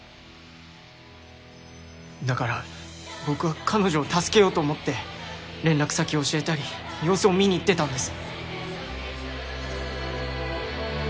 だから僕は彼女を助けようと思って連絡先を教えたり様子を見に行ってたんです。